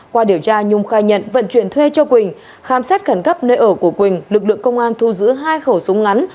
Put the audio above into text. qua điều tra nhung khai nhận vận chuyển thuê cho quỳnh khám xét khẩn cấp nơi ở của quỳnh lực lượng công an thu giữ hai khẩu súng ngắn